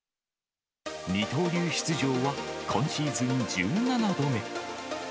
二刀流出場は今シーズン１７度目。